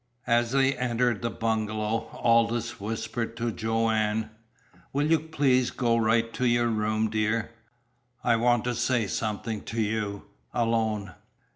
As they entered the bungalow, Aldous whispered to Joanne: "Will you please go right to your room, dear? I want to say something to you alone."